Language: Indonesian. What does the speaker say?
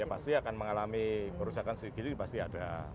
ya pasti akan mengalami kerusakan sedikit pasti ada